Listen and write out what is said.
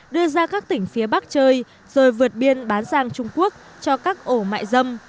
đưa ra các tỉnh phía bắc chơi rồi vượt biên bán sang trung quốc cho các ổ mại dâm